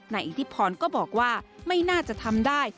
อิทธิพรก็บอกว่าไม่น่าจะทำได้